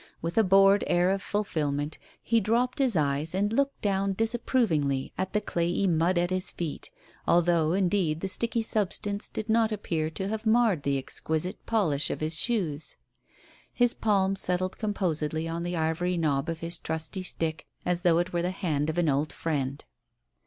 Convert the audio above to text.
With a bored air of fulfilment, he dropped his eyes and looked down disapprovingly at the clayey mud at his feet, although, indeed, the sticky substance did not appear to have marred the exquisite polish of his shoes. His palm settled composedly on the ivory knob of his trusty stick, as though it were the hand of an old friend.